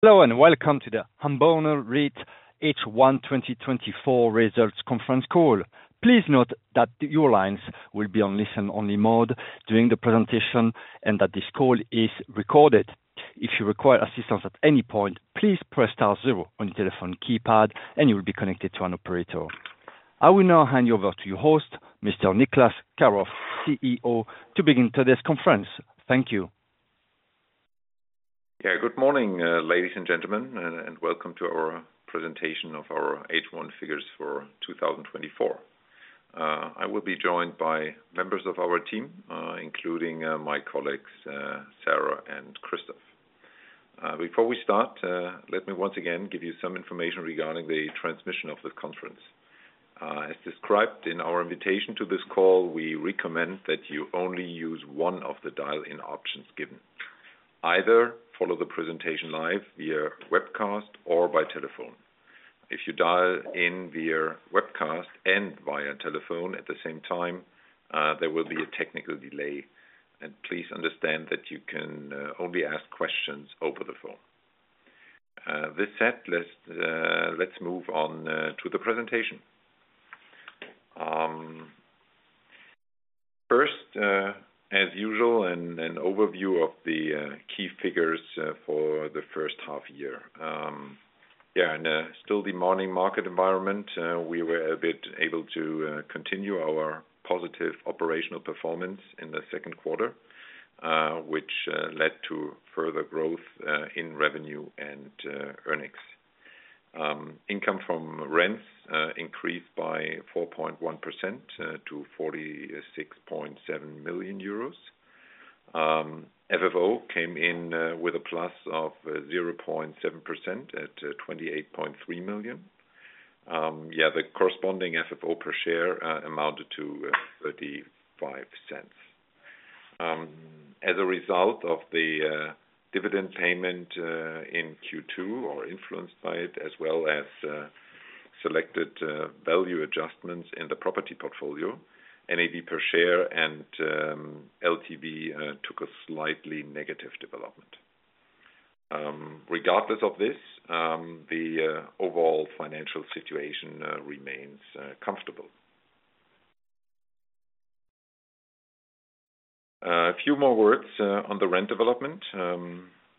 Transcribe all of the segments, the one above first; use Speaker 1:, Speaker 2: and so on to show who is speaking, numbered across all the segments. Speaker 1: Hello, and welcome to the Hamborner REIT H1 2024 Results Conference Call. Please note that your lines will be on listen-only mode during the presentation and that this call is recorded. If you require assistance at any point, please press star zero on your telephone keypad, and you will be connected to an operator. I will now hand you over to your host, Mr. Niclas Karoff, CEO, to begin today's conference. Thank you.
Speaker 2: Yeah, good morning, ladies and gentlemen, and welcome to our presentation of our H1 figures for 2024. I will be joined by members of our team, including my colleagues, Sarah and Christoph. Before we start, let me once again give you some information regarding the transmission of the conference. As described in our invitation to this call, we recommend that you only use one of the dial-in options given. Either follow the presentation live via webcast or by telephone. If you dial in via webcast and via telephone at the same time, there will be a technical delay. Please understand that you can only ask questions over the phone. Let's move on to the presentation. First, as usual, an overview of the key figures for the first half year. Yeah, and still the morning market environment, we were a bit able to continue our positive operational performance in the second quarter, which led to further growth in revenue and earnings. Income from rents increased by 4.1% to 46.7 million euros. FFO came in with a plus of 0.7% at 28.3 million. Yeah, the corresponding FFO per share amounted to 0.35. As a result of the dividend payment in Q2 or influenced by it, as well as selected value adjustments in the property portfolio, NAV per share and LTV took a slightly negative development. Regardless of this, the overall financial situation remains comfortable. A few more words on the rent development.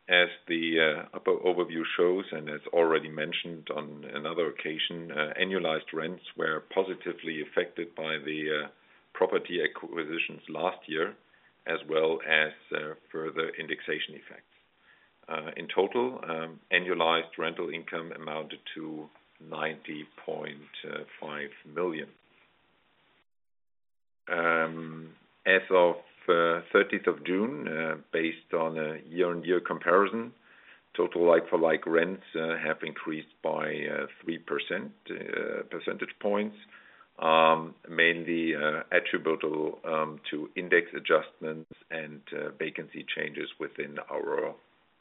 Speaker 2: As the upper overview shows, and as already mentioned on another occasion, annualized rents were positively affected by the property acquisitions last year, as well as further indexation effects. In total, annualized rental income amounted to 90.5 million. As of 30th of June, based on a year-on-year comparison, total like-for-like rents have increased by 3 percentage points, mainly attributable to index adjustments and vacancy changes within our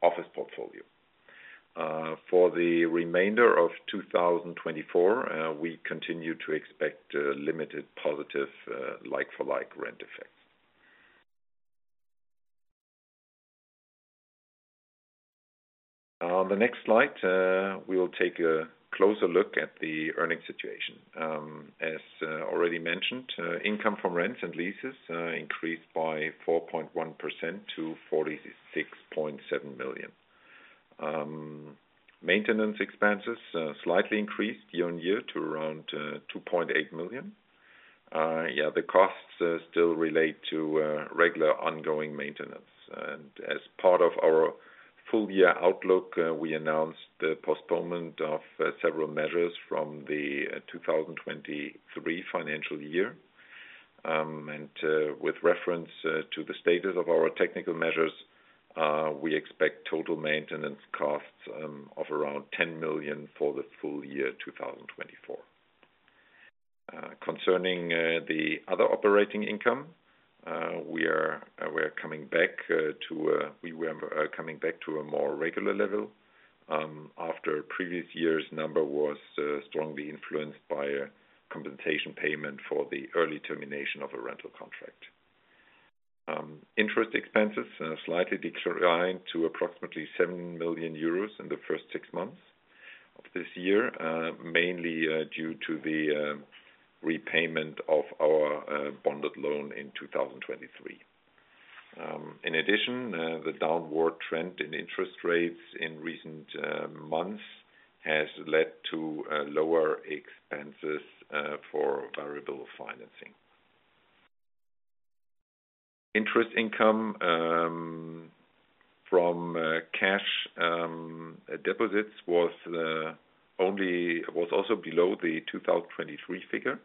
Speaker 2: office portfolio. For the remainder of 2024, we continue to expect limited positive like-for-like rent effects. On the next slide, we will take a closer look at the earning situation. As already mentioned, income from rents and leases increased by 4.1% to 46.7 million. Maintenance expenses slightly increased year-on-year to around 2.8 million. Yeah, the costs still relate to regular ongoing maintenance. As part of our full year outlook, we announced the postponement of several measures from the 2023 financial year. With reference to the status of our technical measures, we expect total maintenance costs of around 10 million for the full year 2024. Concerning the other operating income, we are coming back to... We were coming back to a more regular level after previous years' number was strongly influenced by a compensation payment for the early termination of a rental contract. Interest expenses slightly declined to approximately 7 million euros in the first six months of this year, mainly due to the repayment of our bonded loan in 2023. In addition, the downward trend in interest rates in recent months has led to lower expenses for variable financing. Interest income from cash deposits was also below the 2023 figure,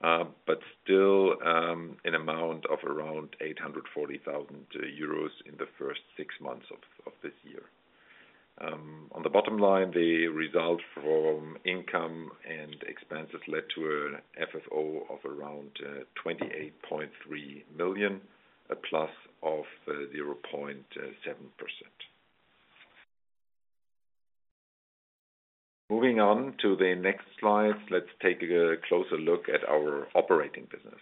Speaker 2: but still an amount of around 840,000 euros in the first six months of this year. On the bottom line, the result from income and expenses led to an FFO of around EUR 28.3 million, +0.7%. Moving on to the next slide, let's take a closer look at our operating business.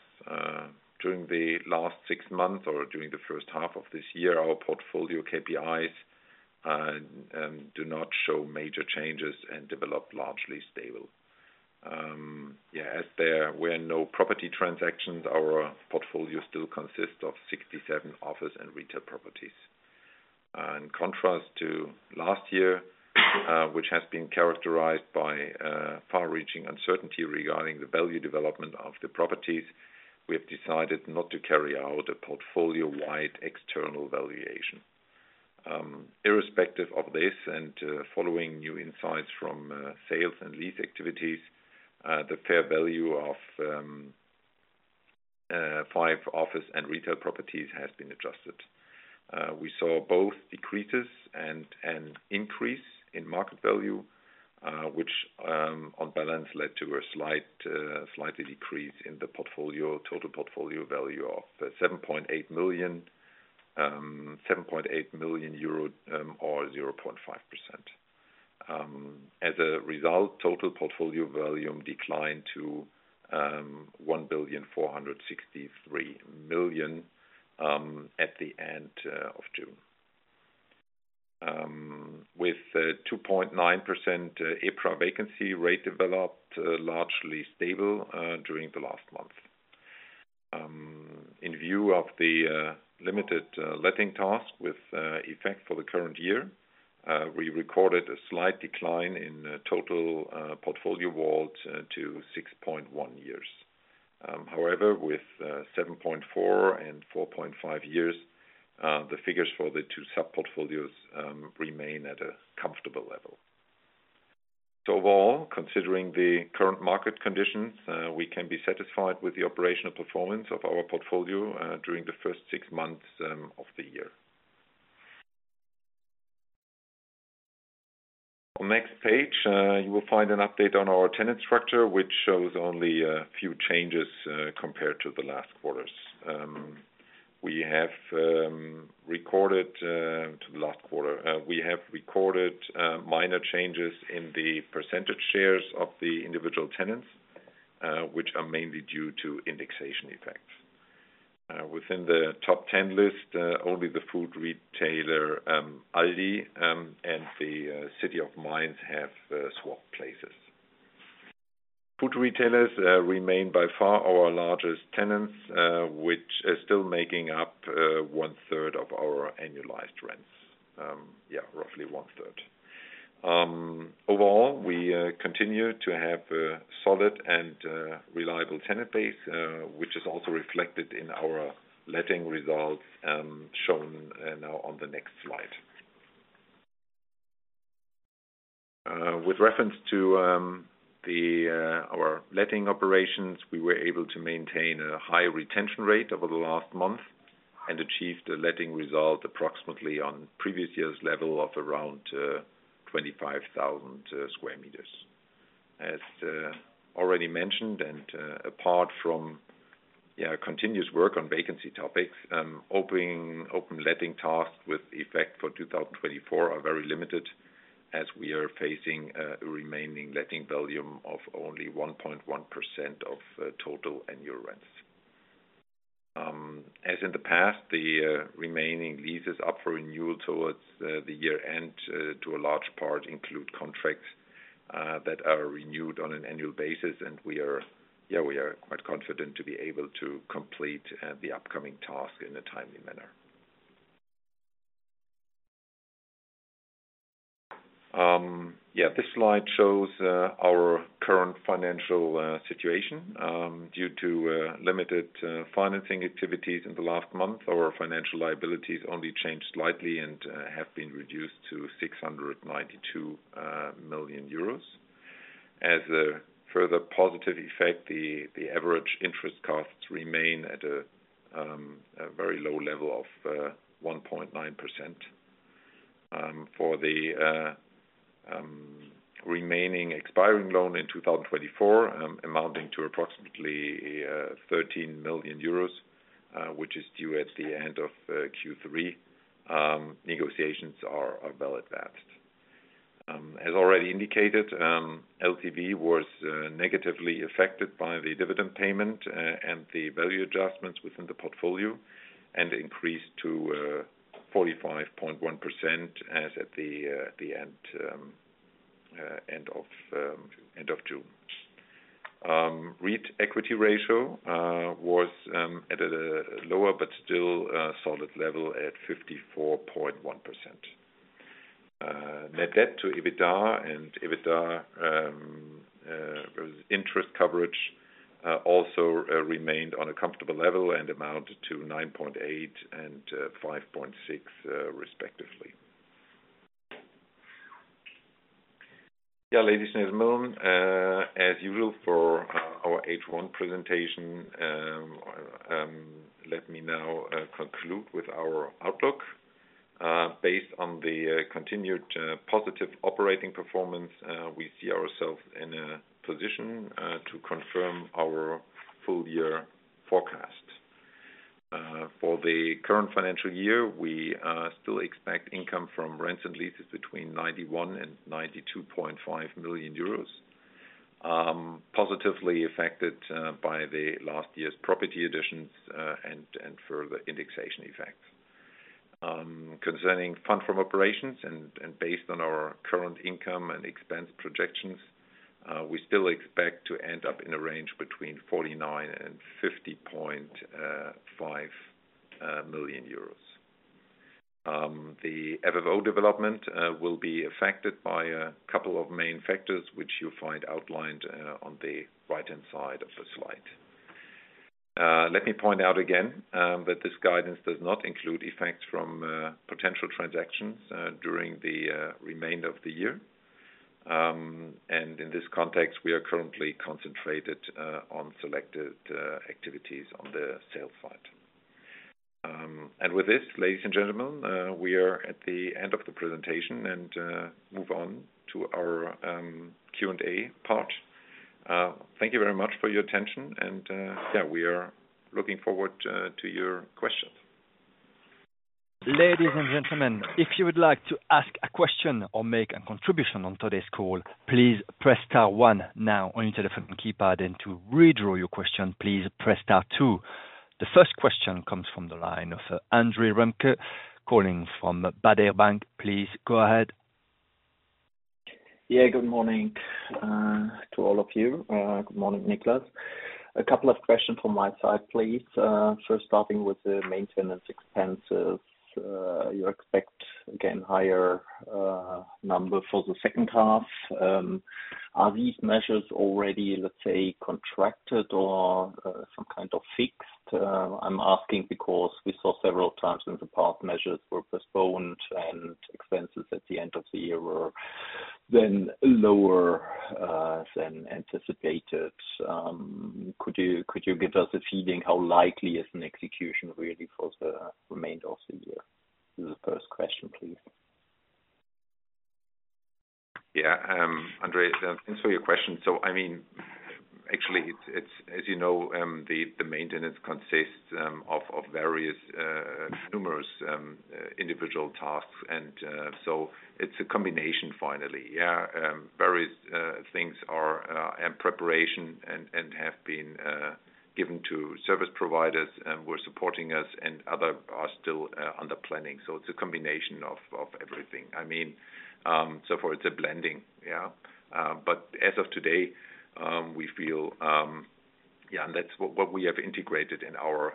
Speaker 2: During the last six months or during the first half of this year, our portfolio KPIs do not show major changes and developed largely stable. As there were no property transactions, our portfolio still consists of 67 office and retail properties. In contrast to last year, which has been characterized by far-reaching uncertainty regarding the value development of the properties, we have decided not to carry out a portfolio-wide external valuation. Irrespective of this and following new insights from sales and lease activities, the fair value of 5 office and retail properties has been adjusted. We saw both decreases and increase in market value, which on balance led to a slight decrease in the total portfolio value of 7.8 million or 0.5%. As a result, total portfolio volume declined to 1,463 million at the end of June. With 2.9% EPRA vacancy rate developed largely stable during the last month. In view of the limited letting talks with effect for the current year, we recorded a slight decline in total portfolio WAULTs to 6.1 years. However, with 7.4 and 4.5 years, the figures for the two sub-portfolios remain at a comfortable level. So overall, considering the current market conditions, we can be satisfied with the operational performance of our portfolio during the first six months of the year. On next page, you will find an update on our tenant structure, which shows only a few changes compared to the last quarters. We have recorded minor changes in the percentage shares of the individual tenants, which are mainly due to indexation effects. Within the top 10 list, only the food retailer Aldi and the City of Mainz have swapped places. Food retailers remain by far our largest tenants, which are still making up 1/3 of our annualized rents. Yeah, roughly one third. Overall, we continue to have a solid and reliable tenant base, which is also reflected in our letting results shown now on the next slide. With reference to our letting operations, we were able to maintain a high retention rate over the last month and achieved a letting result approximately on previous year's level of around 25,000 square meters. As already mentioned, and apart from continuous work on vacancy topics, open letting tasks with effect for 2024 are very limited, as we are facing a remaining letting volume of only 1.1% of total annual rents. As in the past, the remaining leases up for renewal towards the year-end, to a large part, include contracts that are renewed on an annual basis. We are quite confident to be able to complete the upcoming task in a timely manner. This slide shows our current financial situation. Due to limited financing activities in the last month, our financial liabilities only changed slightly and have been reduced to 692 million euros. As a further positive effect, the average interest costs remain at a very low level of 1.9%. For the remaining expiring loan in 2024, amounting to approximately 13 million euros, which is due at the end of Q3, negotiations are well advanced. As already indicated, LTV was negatively affected by the dividend payment and the value adjustments within the portfolio, and increased to 45.1% as at the end of June. REIT equity ratio was at a lower but still solid level at 54.1%. Net debt to EBITDA and EBITDA, interest coverage, also remained on a comfortable level and amounted to 9.8 and 5.6, respectively. Yeah, ladies and gentlemen, as usual for our H1 presentation, let me now conclude with our outlook. Based on the continued positive operating performance, we see ourselves in a position to confirm our full year forecast. For the current financial year, we still expect income from rents and leases between 91 million and 92.5 million euros. Positively affected by last year's property additions and further indexation effects. Concerning Funds From Operations and based on our current income and expense projections, we still expect to end up in a range between 49 million and 50.5 million euros. The FFO development will be affected by a couple of main factors, which you'll find outlined on the right-hand side of the slide. Let me point out again that this guidance does not include effects from potential transactions during the remainder of the year. In this context, we are currently concentrated on selected activities on the sales side. With this, ladies and gentlemen, we are at the end of the presentation, and move on to our Q&A part. Thank you very much for your attention and yeah, we are looking forward to your questions.
Speaker 1: Ladies and gentlemen, if you would like to ask a question or make a contribution on today's call, please press star one now on your telephone keypad, and to withdraw your question, please press star two. The first question comes from the line of Andre Remke, calling from Baader Bank. Please go ahead.
Speaker 3: Yeah, good morning to all of you. Good morning, Niclas. A couple of questions from my side, please. First, starting with the maintenance expenses, you expect, again, higher number for the second half. Are these measures already, let's say, contracted or some kind of fixed? I'm asking because we saw several times in the past, measures were postponed, and expenses at the end of the year were then lower than anticipated. Could you give us a feeling, how likely is an execution really for the remainder of the year? This is the first question, please.
Speaker 2: Yeah, Andre, thanks for your question. So, I mean, actually, it's, it's- as you know, the maintenance consists of various numerous individual tasks, and so it's a combination finally. Yeah, various things are in preparation and have been given to service providers, and were supporting us, and others are still under planning. So it's a combination of everything. I mean, so far it's a blending, yeah. But as of today, we feel, yeah, and that's what we have integrated in our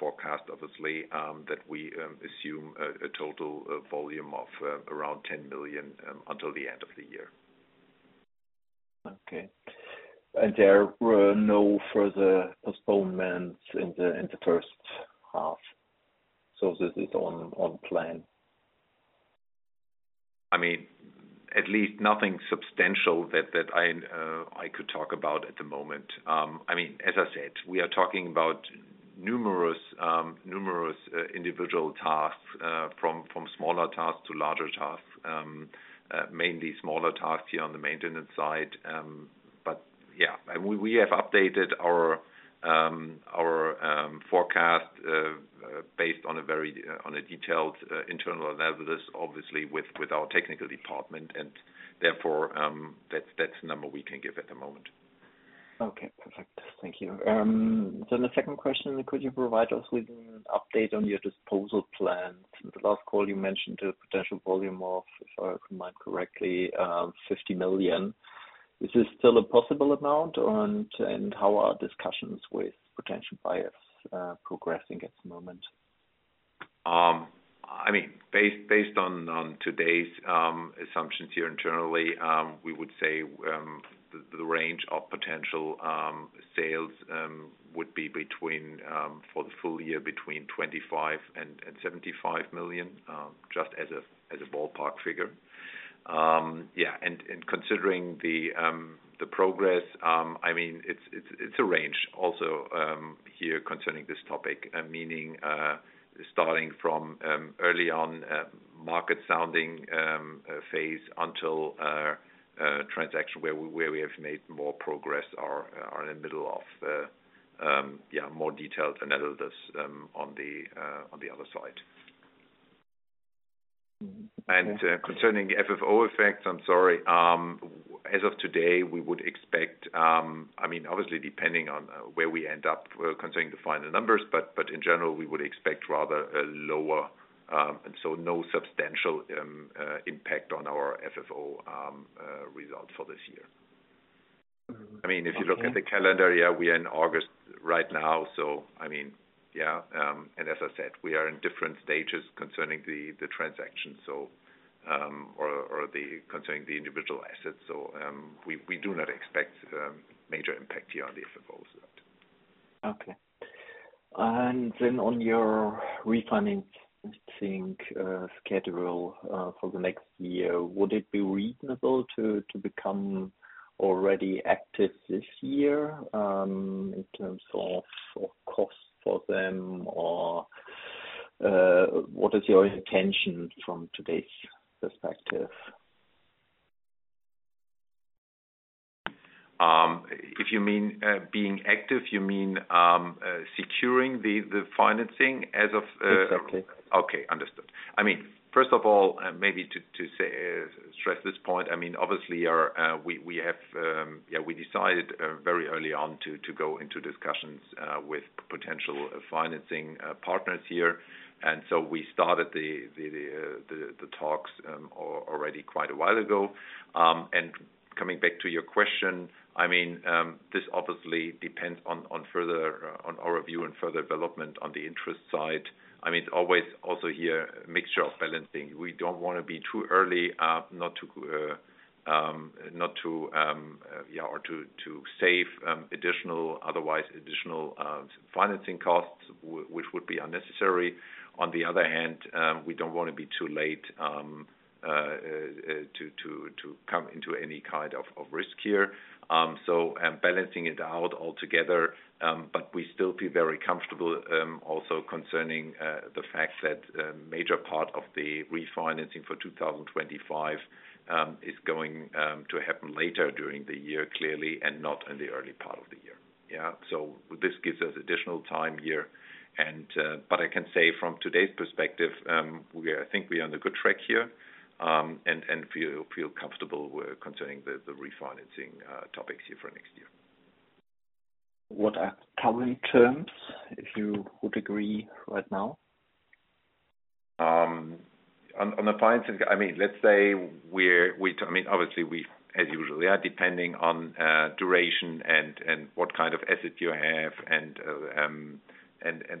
Speaker 2: forecast, obviously, that we assume a total volume of around 10 million until the end of the year.
Speaker 3: Okay. And there were no further postponements in the first half, so this is on plan?
Speaker 2: I mean, at least nothing substantial that I could talk about at the moment. I mean, as I said, we are talking about numerous individual tasks, from smaller tasks to larger tasks, mainly smaller tasks here on the maintenance side. But yeah, and we have updated our forecast based on a detailed internal analysis, obviously, with our technical department, and therefore, that's the number we can give at the moment.
Speaker 3: Okay, perfect. Thank you. Then the second question, could you provide us with an update on your disposal plans? In the last call, you mentioned a potential volume of, if I remember correctly, 50 million. Is this still a possible amount? And how are discussions with potential buyers progressing at the moment?
Speaker 2: I mean, based on today's assumptions here internally, we would say the range of potential sales would be between, for the full year, between 25 million and 75 million, just as a ballpark figure. Yeah, and considering the progress, I mean, it's a range also here concerning this topic. Meaning, starting from early on market sounding phase until transaction, where we have made more progress are in the middle of yeah more detailed analysis on the other side.
Speaker 3: Okay.
Speaker 2: Concerning the FFO effects, I'm sorry, as of today, we would expect, I mean, obviously, depending on where we end up concerning the final numbers, but in general, we would expect rather a lower, and so no substantial impact on our FFO results for this year.
Speaker 3: Okay.
Speaker 2: I mean, if you look at the calendar, yeah, we are in August right now, so I mean, yeah, and as I said, we are in different stages concerning the transaction, so, or concerning the individual assets. So, we do not expect major impact here on the FFOs.
Speaker 3: Okay. Then on your refinancing schedule for the next year, would it be reasonable to become already active this year, in terms of cost for them, or what is your intention from today's perspective? ...
Speaker 2: if you mean being active, you mean securing the financing as of...
Speaker 3: Exactly.
Speaker 2: Okay, understood. I mean, first of all, maybe to say stress this point, I mean, obviously we have yeah we decided very early on to go into discussions with potential financing partners here. And so we started the talks or already quite a while ago. And coming back to your question, I mean, this obviously depends on further, on our view and further development on the interest side. I mean, always also here, mixture of balancing. We don't want to be too early not to not to yeah or to save additional otherwise additional financing costs, which would be unnecessary. On the other hand, we don't want to be too late to come into any kind of risk here. So, and balancing it out altogether, but we still feel very comfortable, also concerning the fact that a major part of the refinancing for 2025 is going to happen later during the year, clearly, and not in the early part of the year. Yeah, so this gives us additional time here and, but I can say from today's perspective, I think we're on a good track here, and feel comfortable with concerning the refinancing topics here for next year.
Speaker 3: What are current terms, if you would agree right now?
Speaker 2: On the financing, I mean, let's say we're—I mean, obviously, we as usually are, depending on duration and what kind of assets you have and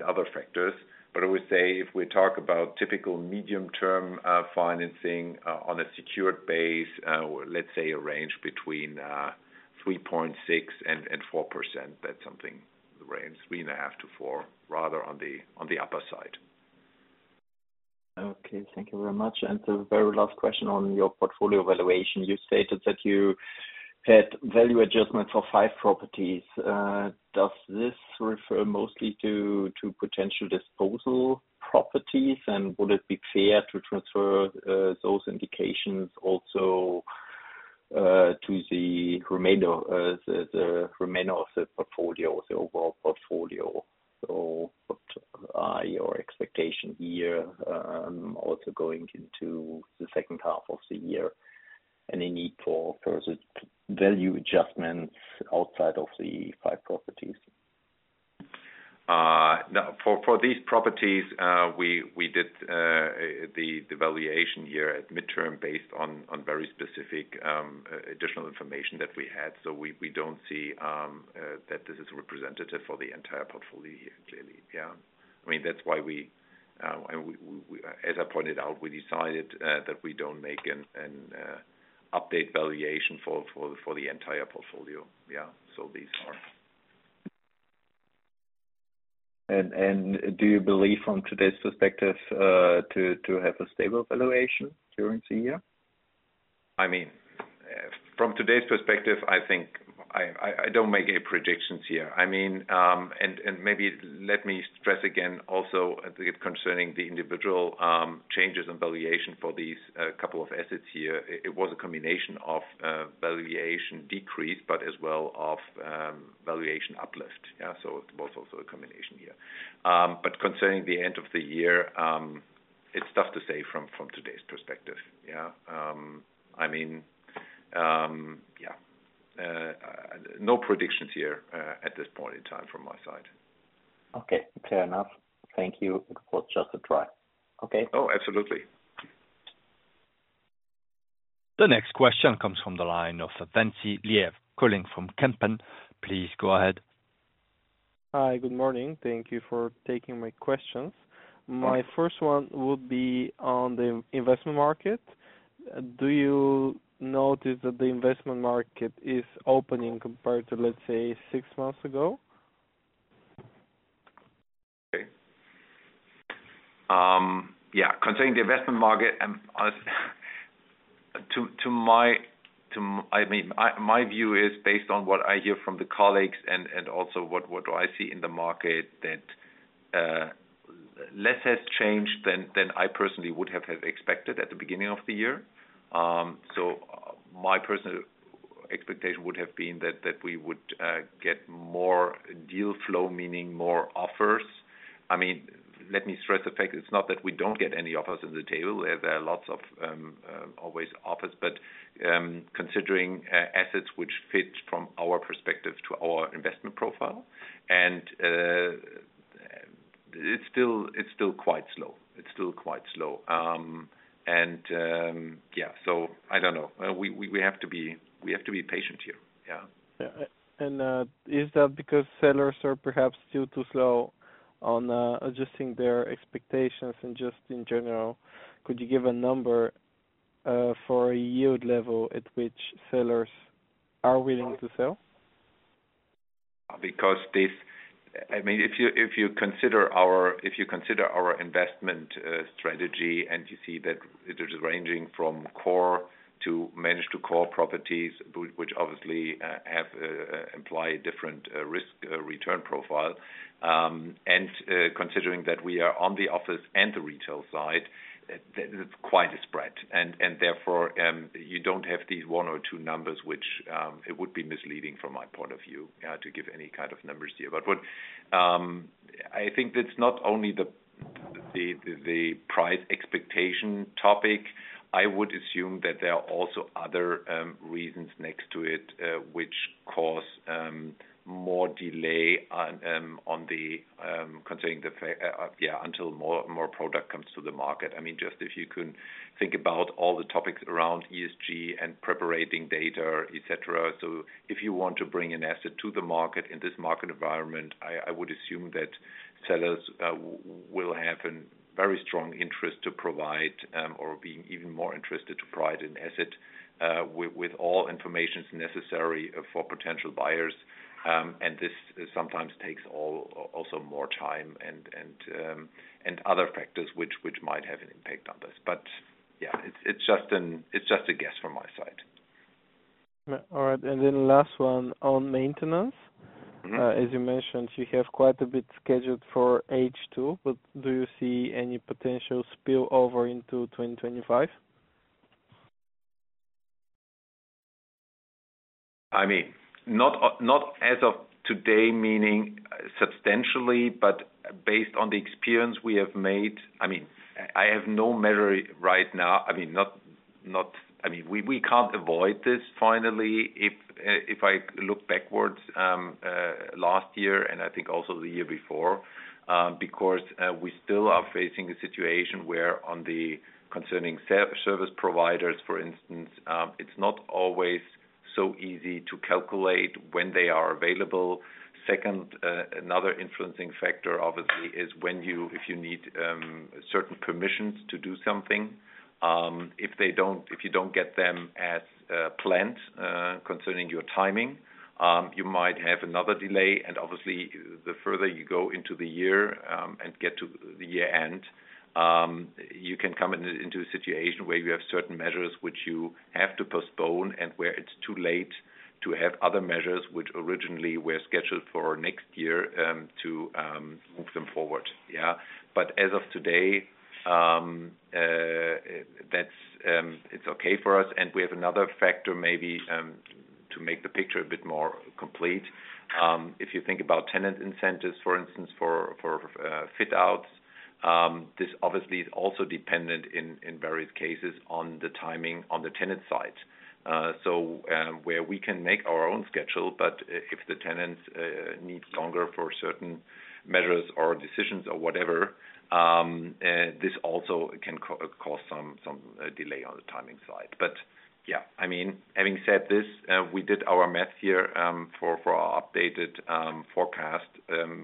Speaker 2: other factors. But I would say if we talk about typical medium-term financing on a secured base, let's say a range between 3.6% and 4%, that's something, the range 3.5%-4%, rather on the upper side.
Speaker 3: Okay, thank you very much. The very last question on your portfolio valuation. You stated that you had value adjustment for five properties. Does this refer mostly to potential disposal properties? And would it be fair to transfer those indications also to the remainder of the portfolio, the overall portfolio? What are your expectation here, also going into the second half of the year, any need for further value adjustments outside of the five properties?
Speaker 2: Now, for these properties, we did the valuation here at midterm based on very specific additional information that we had. So we don't see that this is representative for the entire portfolio here, clearly. Yeah. I mean, that's why we, as I pointed out, we decided that we don't make an update valuation for the entire portfolio. Yeah, so these are.
Speaker 3: Do you believe from today's perspective to have a stable valuation during the year?
Speaker 2: I mean, from today's perspective, I think I don't make any predictions here. I mean, maybe let me stress again, also, I think concerning the individual changes in valuation for these couple of assets here. It was a combination of valuation decrease, but as well of valuation uplift. Yeah, so it was also a combination here. But concerning the end of the year, it's tough to say from today's perspective. Yeah. I mean, no predictions here, at this point in time from my side.
Speaker 3: Okay, fair enough. Thank you for just a try. Okay.
Speaker 2: Oh, absolutely.
Speaker 1: The next question comes from the line of, calling from Kempen. Please go ahead.
Speaker 4: Hi, good morning. Thank you for taking my questions. My first one would be on the investment market. Do you notice that the investment market is opening compared to, let's say, six months ago?
Speaker 2: Okay. Yeah, concerning the investment market, to my—I mean, my view is based on what I hear from the colleagues and also what I see in the market, that less has changed than I personally would have expected at the beginning of the year. So my personal expectation would have been that we would get more deal flow, meaning more offers. I mean, let me stress the fact it's not that we don't get any offers on the table. There are lots of always offers, but considering assets which fit from our perspective to our investment profile, and it's still quite slow. It's still quite slow. And yeah, so I don't know. We have to be patient here. Yeah.
Speaker 4: Yeah. Is that because sellers are perhaps still too slow on adjusting their expectations? And just in general, could you give a number for a yield level at which sellers are willing to sell?
Speaker 2: Because this, I mean, if you, if you consider our strategy, and you see that it is ranging from core to manage-to-core properties, which obviously have employ different risk return profile. And considering that we are on the office and the retail side, that is quite a spread. And therefore you don't have these one or two numbers, which it would be misleading from my point of view to give any kind of numbers to you. But what I think it's not only the price expectation topic. I would assume that there are also other reasons next to it, which cause more delay on on the concerning the yeah, until more product comes to the market. I mean, just if you can think about all the topics around ESG and preparing data, et cetera. So if you want to bring an asset to the market in this market environment, I would assume that sellers will have a very strong interest to provide, or be even more interested to provide an asset with all information necessary for potential buyers. And this sometimes takes all, also more time and other factors which might have an impact on this. But, yeah, it's just a guess from my side.
Speaker 4: All right. And then last one, on maintenance.
Speaker 2: Mm-hmm.
Speaker 4: As you mentioned, you have quite a bit scheduled for H2, but do you see any potential spillover into 2025?
Speaker 2: I mean, not as of today, meaning substantially, but based on the experience we have made, I mean, I have no measure right now. I mean, we can't avoid this finally, if I look backwards, last year and I think also the year before, because we still are facing a situation where, on the concerning service providers, for instance, it's not always so easy to calculate when they are available. Second, another influencing factor obviously is when, if you need certain permissions to do something, if you don't get them as planned, concerning your timing, you might have another delay. Obviously, the further you go into the year, and get to the year end, you can come into a situation where you have certain measures which you have to postpone, and where it's too late to have other measures which originally were scheduled for next year, to move them forward. Yeah. But as of today, that's, it's okay for us, and we have another factor maybe, to make the picture a bit more complete. If you think about tenant incentives, for instance, for fit outs, this obviously is also dependent in various cases on the timing on the tenant side. So, where we can make our own schedule, but if the tenants need longer for certain measures or decisions or whatever, this also can cause some delay on the timing side. But yeah, I mean, having said this, we did our math here for our updated forecast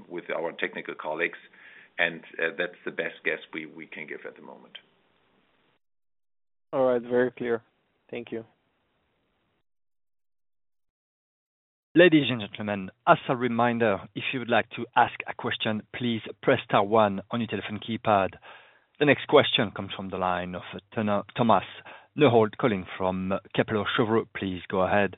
Speaker 2: with our technical colleagues, and that's the best guess we can give at the moment.
Speaker 4: All right. Very clear. Thank you.
Speaker 1: Ladies and gentlemen, as a reminder, if you would like to ask a question, please press star one on your telephone keypad. The next question comes from the line of Thomas Lehleiter, calling from Kepler Cheuvreux. Please go ahead.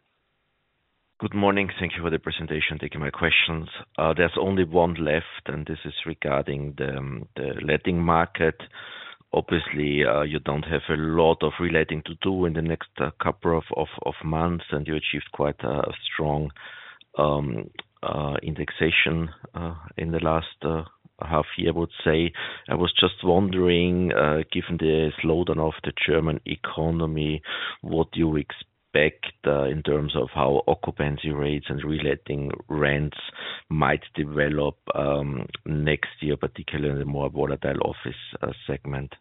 Speaker 5: Good morning. Thank you for the presentation, taking my questions. There's only one left, and this is regarding the letting market. Obviously, you don't have a lot of letting to do in the next couple of months, and you achieved quite a strong indexation in the last half year, I would say. I was just wondering, given the slowdown of the German economy, what do you expect in terms of how occupancy rates and letting rents might develop next year, particularly in the more volatile office segment?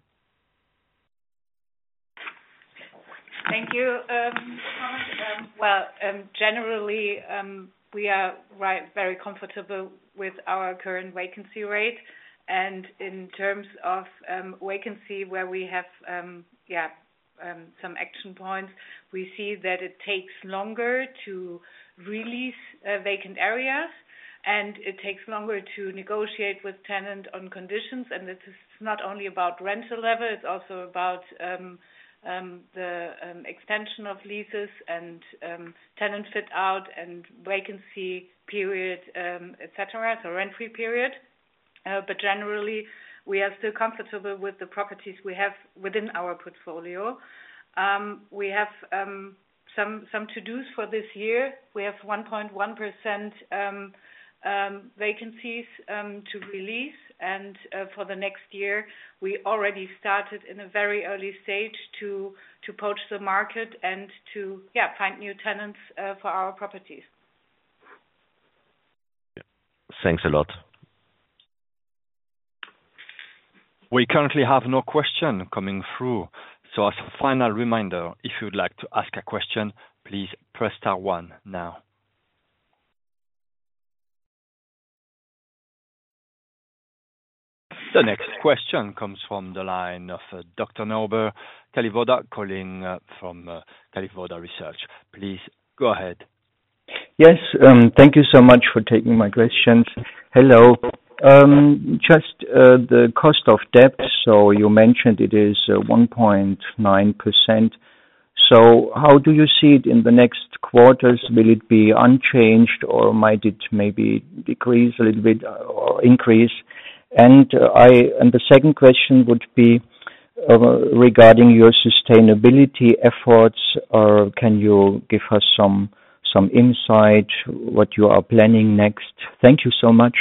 Speaker 6: Thank you, Thomas. Well, generally, we are right, very comfortable with our current vacancy rate. And in terms of vacancy, where we have, yeah, some action points, we see that it takes longer to release vacant areas, and it takes longer to negotiate with tenant on conditions. And this is not only about rental level, it's also about the extension of leases and tenant fit out and vacancy period, et cetera, so rent-free period. But generally, we are still comfortable with the properties we have within our portfolio. We have some to-dos for this year. We have 1.1% vacancies to release. For the next year, we already started in a very early stage to poach the market and to, yeah, find new tenants for our properties.
Speaker 5: Thanks a lot.
Speaker 1: We currently have no question coming through. So as a final reminder, if you'd like to ask a question, please press star one now. The next question comes from the line of Dr. Norbert Kalliwoda, calling from Kalliwoda Research. Please go ahead.
Speaker 7: Yes, thank you so much for taking my questions. Hello. Just the cost of debt. So you mentioned it is 1.9%. So how do you see it in the next quarters? Will it be unchanged, or might it maybe decrease a little bit, or increase? And the second question would be-... regarding your sustainability efforts, or can you give us some insight what you are planning next? Thank you so much.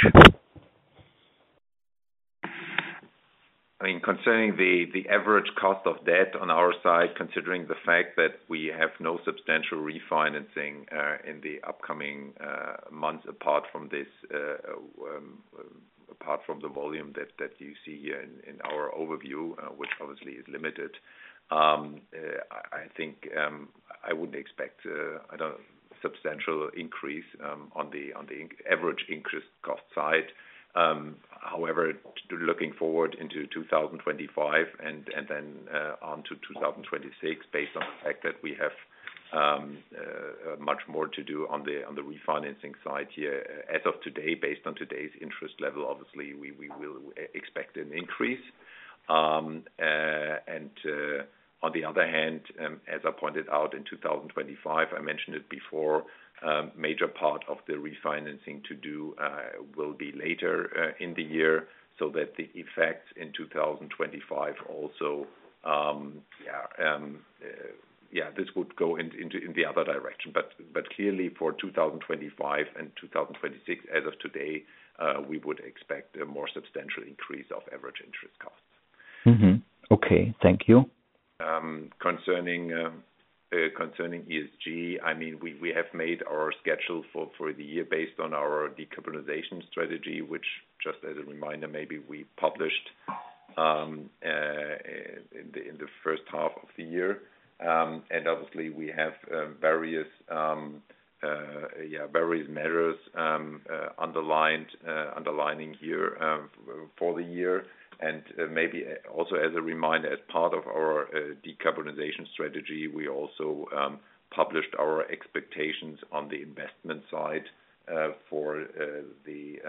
Speaker 2: I mean, concerning the average cost of debt on our side, considering the fact that we have no substantial refinancing in the upcoming months, apart from this, apart from the volume that you see here in our overview, which obviously is limited. I think I wouldn't expect substantial increase on the average interest cost side. However, looking forward into 2025 and then onto 2026, based on the fact that we have much more to do on the refinancing side here. As of today, based on today's interest level, obviously, we will expect an increase. and, on the other hand, as I pointed out in 2025, I mentioned it before, a major part of the refinancing to do will be later in the year, so that the effect in 2025 also, this would go into the other direction. But clearly for 2025 and 2026, as of today, we would expect a more substantial increase of average interest costs.
Speaker 7: Mm-hmm. Okay, thank you.
Speaker 2: Concerning ESG, I mean, we have made our schedule for the year based on our decarbonization strategy, which just as a reminder, maybe we published in the first half of the year. Obviously we have various measures underlining here for the year. Maybe also as a reminder, as part of our decarbonization strategy, we also published our expectations on the investment side for the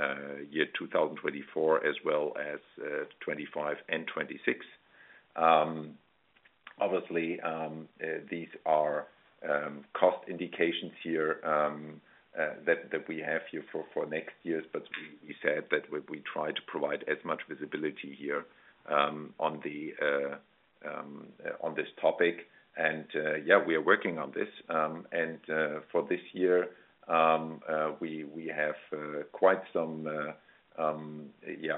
Speaker 2: year 2024, as well as 2025 and 2026. Obviously these are cost indications here that we have here for next year. But we said that we try to provide as much visibility here on this topic. Yeah, we are working on this. For this year, we have quite some, yeah,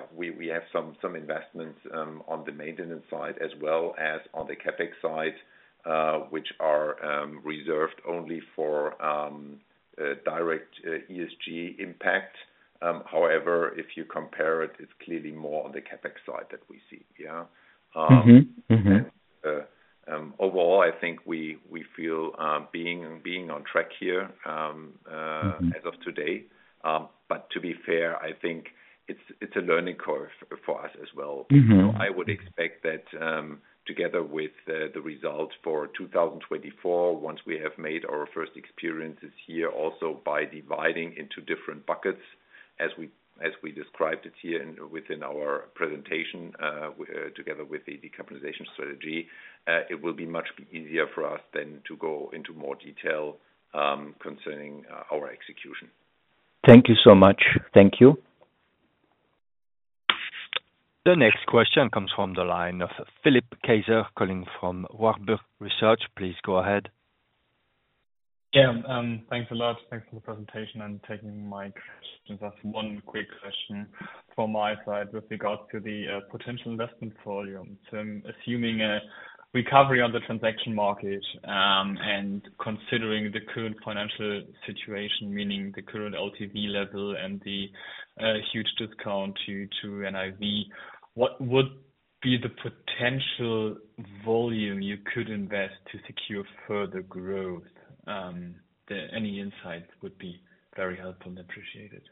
Speaker 2: some investments on the maintenance side as well as on the CapEx side, which are reserved only for direct ESG impact. However, if you compare it, it's clearly more on the CapEx side that we see, yeah?
Speaker 7: Mm-hmm. Mm-hmm.
Speaker 2: Overall, I think we feel being on track here.
Speaker 7: Mm-hmm.
Speaker 2: As of today. But to be fair, I think it's a learning curve for us as well.
Speaker 7: Mm-hmm.
Speaker 2: So I would expect that, together with the results for 2024, once we have made our first experiences here, also by dividing into different buckets, as we, as we described it here within our presentation, together with the decarbonization strategy, it will be much easier for us then to go into more detail, concerning our execution.
Speaker 7: Thank you so much. Thank you.
Speaker 1: The next question comes from the line of Philipp Kaiser, calling from Warburg Research. Please go ahead.
Speaker 8: Yeah, thanks a lot. Thanks for the presentation and taking my questions. Just one quick question from my side with regards to the potential investment volume. So I'm assuming a recovery on the transaction market and considering the current financial situation, meaning the current LTV level and the huge discount to NAV, what would be the potential volume you could invest to secure further growth? Any insight would be very helpful and appreciated.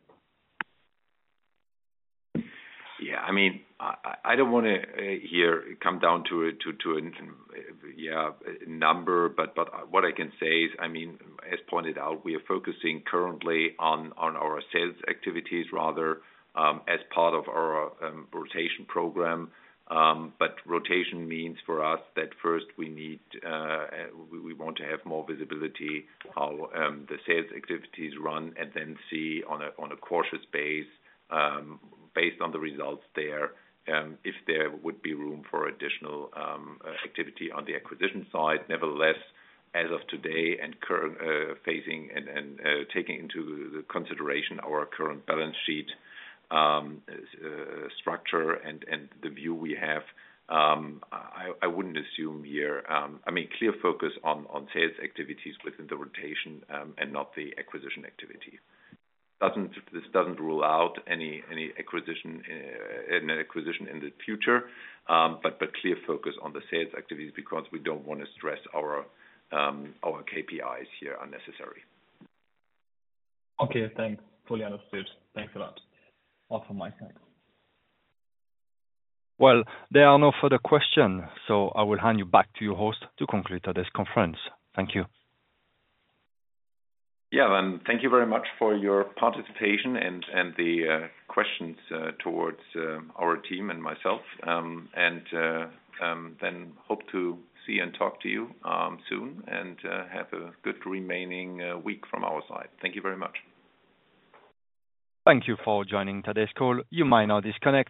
Speaker 2: Yeah, I mean, I don't wanna here come down to a, to an yeah number, but what I can say is, I mean, as pointed out, we are focusing currently on our sales activities rather as part of our rotation program. But rotation means for us that first we want to have more visibility how the sales activities run, and then see on a cautious basis based on the results there if there would be room for additional activity on the acquisition side. Nevertheless, as of today and current phasing and taking into consideration our current balance sheet structure and the view we have, I wouldn't assume here. I mean, clear focus on sales activities within the rotation, and not the acquisition activity. This doesn't rule out any acquisition in the future, but the clear focus on the sales activities, because we don't wanna stress our KPIs here unnecessarily.
Speaker 8: Okay, thanks. Fully understood. Thanks a lot. All from my side.
Speaker 1: Well, there are no further questions, so I will hand you back to your host to conclude today's conference. Thank you.
Speaker 2: Yeah, and thank you very much for your participation and the questions towards our team and myself. And then hope to see and talk to you soon, and have a good remaining week from our side. Thank you very much.
Speaker 1: Thank you for joining today's call. You may now disconnect.